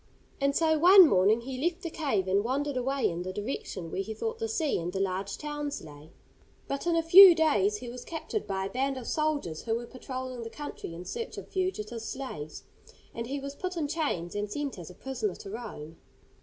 And so one morning he left the cave, and wandered away in the direction where he thought the sea and the large towns lay. But in a few days he was captured by a band of soldiers who were patrolling the country in search of fugitive slaves, and he was put in chains and sent as a prisoner to Rome.